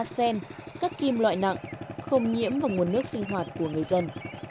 sen các kim loại nặng không nhiễm vào nguồn nước sinh hoạt của người dân